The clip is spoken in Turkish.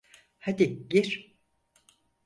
Hadi gir.